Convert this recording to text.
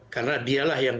karena dialah yang